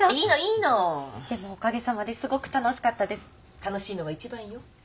楽しいのが一番よ。